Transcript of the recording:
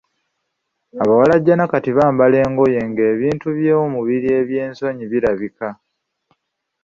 Abawalajjana kati bambala engoye ng‘ebintu by'omubiri eby'esonyi bilabika.